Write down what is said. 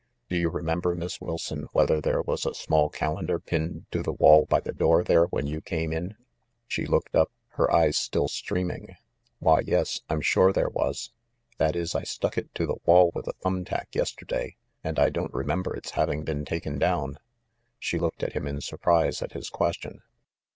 "Do you remember, Miss Wilson, whether there was a small calendar pinned to the wall by the door there when you came in?" She looked up, her eyes still streaming. "Why, yes, I'm sure there was. That is, I stuck it to the wall with a thumb tack yesterday, and I don't remember its hav ing been taken down." She looked at him in surprise at his question.